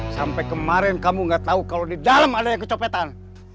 sampai kemarin kamu nggak tahu kalau di dalam ada yang kecopetan